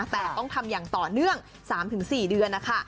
แต่ต้องทำอย่างต่อเนื่อง๓๔เดือนนะคะ